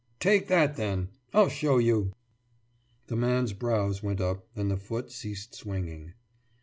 »Take that then! I'll show you!« The man's brows went up and the foot ceased swinging.